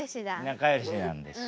仲よしなんですよ。